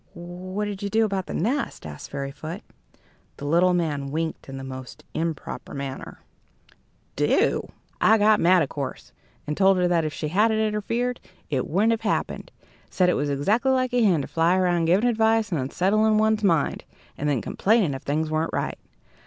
"What did you do about the nest?" asked Fairyfoot. The little man winked in the most improper manner. "Do?" he said. "I got mad, of course, and told her that if she hadn't interfered, it wouldn't have happened; said it was exactly like a hen to fly around giving advice and unsettling one's mind, and then complain if things weren't right.